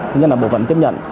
thứ nhất là bộ phận tiếp nhận